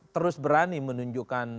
terus berani menunjukkan